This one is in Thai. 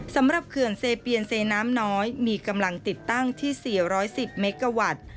เขื่อนเซเปียนเซน้ำน้อยมีกำลังติดตั้งที่๔๑๐เมกาวัตต์